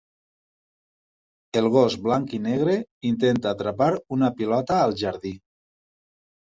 El gos blanc i negre intenta atrapar una pilota al jardí.